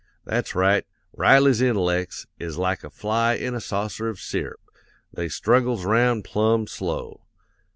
That's right; Riley's intellects, is like a fly in a saucer of syrup, they struggles 'round plumb slow.